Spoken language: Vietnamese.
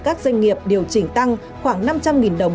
các doanh nghiệp điều chỉnh tăng khoảng năm trăm linh đồng